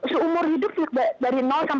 seumur hidup dari